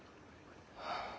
はあ。